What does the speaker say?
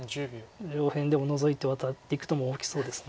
上辺でもノゾいてワタっていく手も大きそうです。